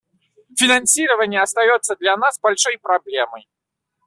Финансирование остается для нас большой проблемой.